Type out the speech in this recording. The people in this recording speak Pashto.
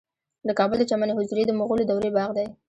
د کابل د چمن حضوري د مغلو دورې باغ دی